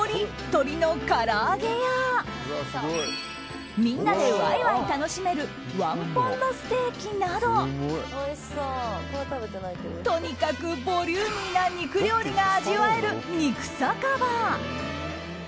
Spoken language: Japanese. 鶏の唐揚げやみんなでワイワイ楽しめる１ポンドステーキなどとにかくボリューミーな肉料理が味わえる肉酒場。